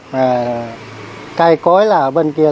mà cây cối là bên kia